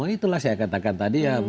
itulah saya katakan tadi ya